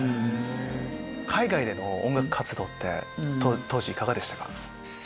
海外での音楽活動って当時いかがでしたか？